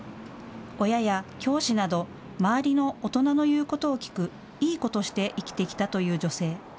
親や教師など周りの大人の言うことを聞くいい子として生きてきたという女性。